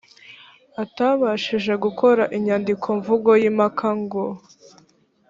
atabashije gukora inyandiko mvugo y impaka ngo